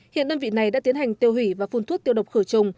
hiện đơn vị này đã tiến hành tiêu hủy và phun thuốc tiêu độc khử trùng